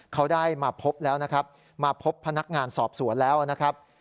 เขาได้มาพบแล้วนะครับมาพบพนักงานสอบสวนแล้วนะครับ